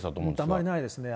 あまりないですね。